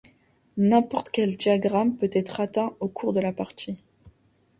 N'importe quel diagramme peut être atteint au cours de la partie.